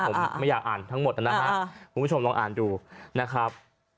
ผมไม่อยากอ่านทั้งหมดนะฮะคุณผู้ชมลองอ่านดูนะครับ